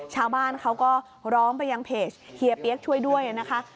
ชาวบ้านเขาก็ร้องไปยังเพจเฮียเปี๊ยกช่วยด้วยนะคะ